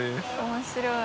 面白い。